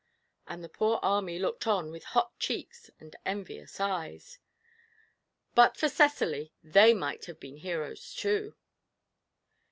And the poor army looked on with hot cheeks and envious eyes. But for Cecily, they might have been heroes, too!